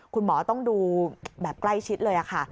คุณหมอต้องดูแบบใกล้ชิดเลยค่ะ